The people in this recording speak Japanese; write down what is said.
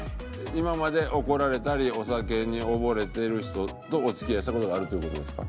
今まで怒られたりお酒に溺れてる人とお付き合いした事があるという事ですか？